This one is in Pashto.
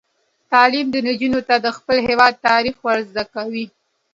تعلیم نجونو ته د خپل هیواد تاریخ ور زده کوي.